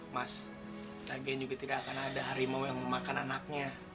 mas lagian juga tidak akan ada harimau yang memakan anaknya